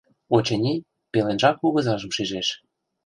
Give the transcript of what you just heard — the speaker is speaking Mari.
Очыни, пеленжак кугызажым шижеш.